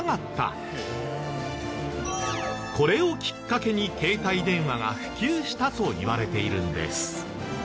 これをきっかけに携帯電話が普及したといわれているんです。